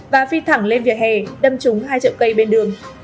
và phi thẳng lên vỉa hè đâm trúng hai chợ cây bên đường